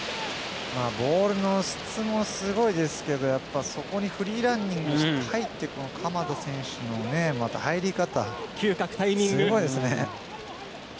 ボールの質もすごいですけどやっぱりフリーランニングして入っていく鎌田選手の入り方すごいですね。